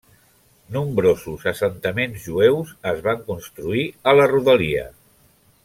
Nombrosos assentaments jueus es van construir a la rodalia.